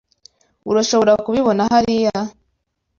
Urashobora kubibona hariya?